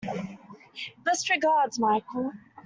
Best regards, Michael